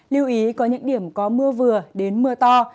lưu ý có những điểm có mưa vừa đến mưa to